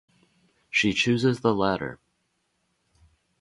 She chooses the latter.